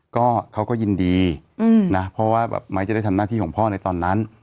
ก็เขาก็ยินดีนะเพราะว่าแบบไม้จะได้ทำหน้าที่ของพ่อในตอนนั้น